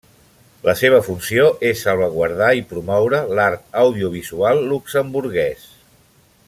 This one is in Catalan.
La seva funció és salvaguardar i promoure l'art audiovisual luxemburguès.